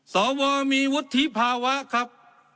สวมีวุฒิภาวะครับ